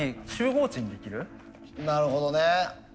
なるほどね。